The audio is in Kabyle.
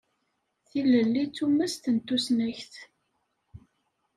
Tilelli d tumast n tusnakt.